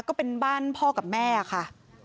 ก็เป็นบ้านพ่อกับแม่ค่ะ